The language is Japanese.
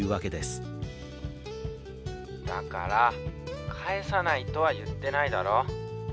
☎だから返さないとは言ってないだろ！